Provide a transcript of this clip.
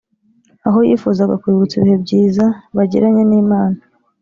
aho yifuzaga kubibutsa ibihe byiza bagiranye n'Imana